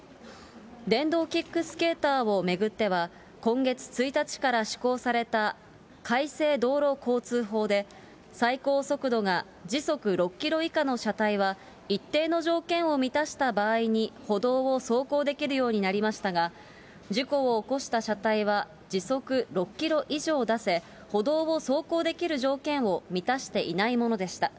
電動キックスケーターを巡っては、今月１日から施行された改正道路交通法で、最高速度が時速６キロ以下の車体は、一定の条件を満たした場合に歩道を走行できるようになりましたが、事故を起こした車体は、時速６キロ以上出せ、歩道を走行できる条件を満たしていないものでした。